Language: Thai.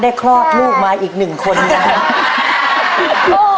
ได้ครอบลูกมาอีก๑คนนะครับ